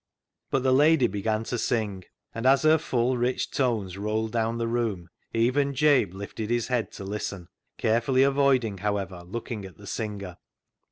But the lady began to sing ; and as her full, rich tones rolled down the room even Jabe lifted his head to listen, carefully avoiding, however, looking at the singer.